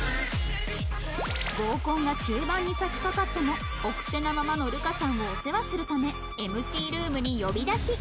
合コンが終盤に差しかかっても奥手なままの流佳さんをお世話するため ＭＣ ルームに呼び出し